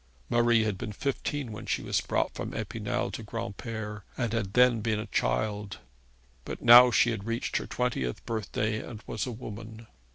Marie had been fifteen when she was brought from Epinal to Granpere, and had then been a child; but she had now reached her twentieth birthday, and was a woman.